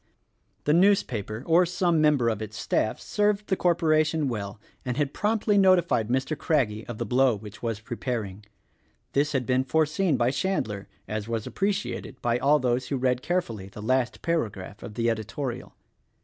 The newspaper, or some member of its staff, served the cor poration well, and had promptly notified Mr. Craggie of the blow which was preparing. This had been foreseen by Chandler — as was appreciated by all those who read care fully the last paragraph of the editorial.